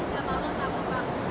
ada jamarot pula dan juga busnot